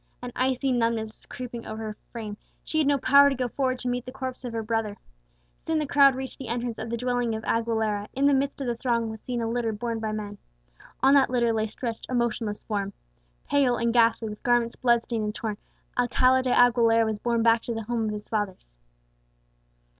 An icy numbness was creeping over her frame; she had no power to go forward to meet the corpse of her brother. Soon the crowd reached the entrance of the dwelling of Aguilera; in the midst of the throng was seen a litter borne by men. On that litter lay stretched a motionless form. Pale and ghastly, with garments blood stained and torn, Alcala de Aguilera was borne back to the home of his fathers.